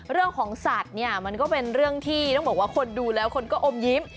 เรื่องของสัตว์เนี่ยมันก็เป็นเรื่องที่ต้องบอกว่าคนดูแล้วคนก็อมยิ้ม